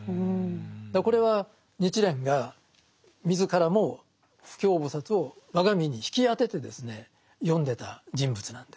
これは日蓮が自らも不軽菩薩を我が身に引き当てて読んでた人物なんです。